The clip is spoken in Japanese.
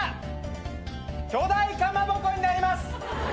巨大かまぼこになります。